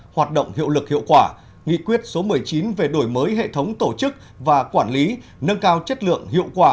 hoạt động hiệu lực hiệu quả nghị quyết số một mươi chín về đổi mới hệ thống tổ chức và quản lý nâng cao chất lượng hiệu quả